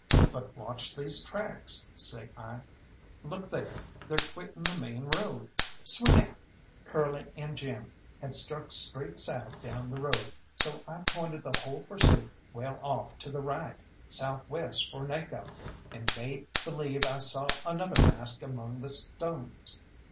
"But watch these tracks," say I; "look there they're quitting the main road swing out!" Curly and Jim had struck straight south down the road, so I pointed the whole pursuit well off to the right, south west for Naco, and made believe I saw another mask among the stones.